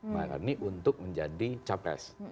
mbak erani untuk menjadi capres